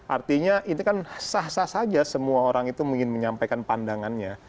artinya ini kan sah sah saja semua orang itu ingin menyampaikan pandangannya